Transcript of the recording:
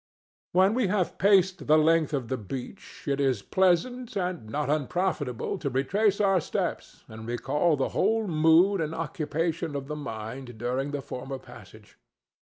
When we have paced the length of the beach, it is pleasant and not unprofitable to retrace our steps and recall the whole mood and occupation of the mind during the former passage.